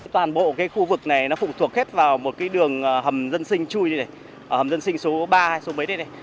toàn bộ khu vực này phụ thuộc vào một đường hầm dân sinh chui hầm dân sinh số ba hay số mấy đây